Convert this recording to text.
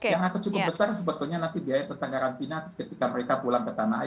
yang akan cukup besar sebetulnya nanti biaya tentang karantina ketika mereka pulang ke tanah air